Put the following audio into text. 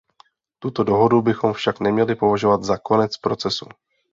Tuto dohodu bychom však neměli považovat za konec procesu.